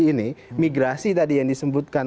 ini migrasi tadi yang disebutkan